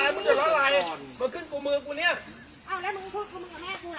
ว่าไงไงกูพูดเหมือนพวกอ่านล่ะ